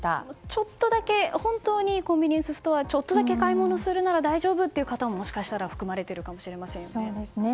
ちょっとだけ本当にコンビニエンスストアにちょっとだけ買い物するなら大丈夫という方ももしかしたら含まれているかもしれませんね。